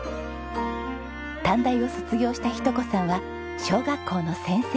短大を卒業した日登子さんは小学校の先生に。